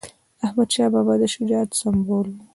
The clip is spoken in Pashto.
احمدشاه بابا د شجاعت سمبول و.